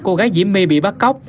cô gái diễm my bị bắt cóc